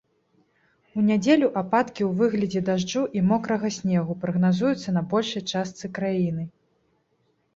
У нядзелю ападкі ў выглядзе дажджу і мокрага снегу прагназуюцца на большай частцы краіны.